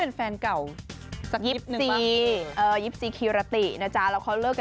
ตอนนี้เขาเป็นแฟนเก่าสักยิบหนึ่งป่ะ